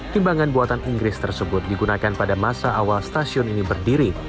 timbangan buatan inggris tersebut digunakan pada masa awal stasiun ini berdiri